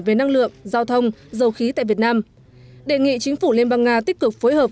về năng lượng giao thông dầu khí tại việt nam đề nghị chính phủ liên bang nga tích cực phối hợp